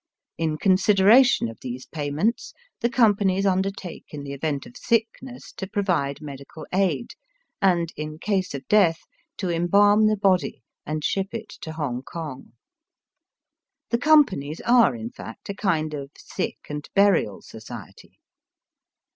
In consideration of these payments the com panies undertake in the event of sickness to provide medical aid, and, in case of death, to embalm the body and ship it to Hongkong. The companies are, in fact, a kind of sick and burial society.